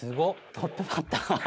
トップバッター。